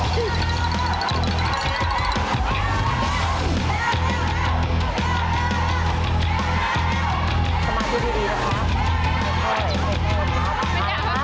สมาธิดีนะครับ